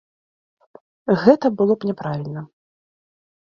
Гэта было б няправільна.